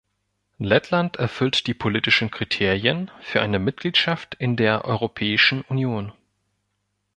Lettland erfüllt die politischen Kriterien für eine Mitgliedschaft in der Europäischen Union.